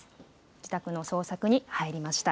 自宅の捜索に入りました。